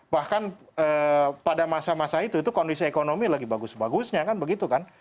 bahkan pada masa masa itu itu kondisi ekonomi lagi bagus bagusnya kan begitu kan